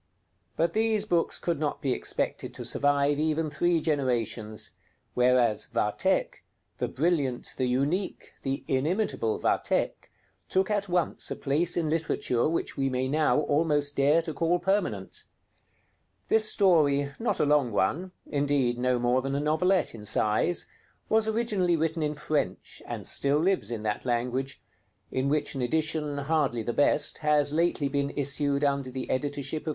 But these books could not be expected to survive even three generations; whereas 'Vathek,' the brilliant, the unique, the inimitable 'Vathek,' took at once a place in literature which we may now almost dare to call permanent. This story, not a long one, indeed, no more than a novelette in size, was originally written in French, and still lives in that language; in which an edition, hardly the best, has lately been issued under the editorship of M.